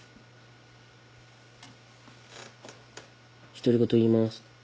独り言言います。